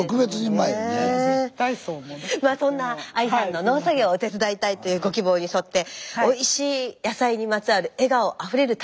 まあそんなＡＩさんの「農作業を手伝いたい」というご希望に沿っておいしい野菜にまつわる笑顔あふれる旅を集めました。